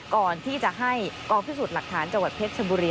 ก่อนที่จะให้กองพิสูจน์หลักฐานจังหวัดเพชรชบุรี